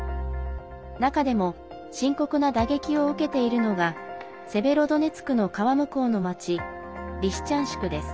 中でも深刻な打撃を受けているのがセベロドネツクの川向こうの町リシチャンシクです。